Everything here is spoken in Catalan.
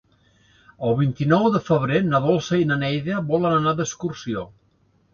El vint-i-nou de febrer na Dolça i na Neida volen anar d'excursió.